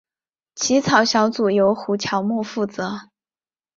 起草小组由胡乔木负责。